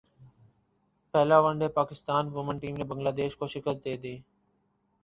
پہلا one day Pakistan women team نے Bangladesh کو شکست دے دی